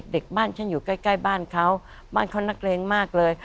เด็กบ้านฉันอยู่ใกล้ใกล้บ้านเขาบ้านเขานักเลงมากเลย